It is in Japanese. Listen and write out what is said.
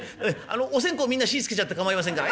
お線香みんな火ぃつけちゃって構いませんから。